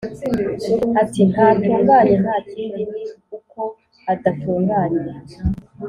Ati “Ntatunganye, nta kindi ni uko adatunganye.”